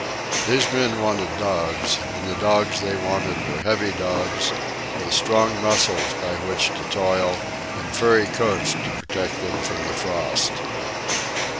These men wanted dogs, and the dogs they wanted were heavy dogs, with strong muscles by which to toil, and furry coats to protect them from the frost.